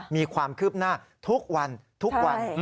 มีความคืบหน้าทุกวันทุกวัน